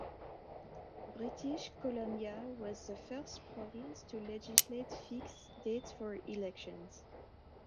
British Columbia was the first province to legislate fixed dates for elections.